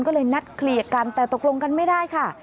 ก็เลยนัดเคลียร์กันแต่ตกลงกันไม่ได้ค่ะ